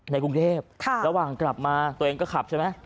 ในกรุงเทพระหว่างกลับมาตัวเองก็ขับใช่ไหม